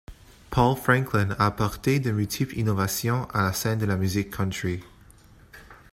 Paul Franklin a apporté de multiples innovations à la scène de la musique country.